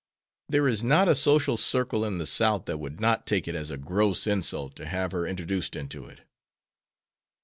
There is not a social circle in the South that would not take it as a gross insult to have her introduced into it."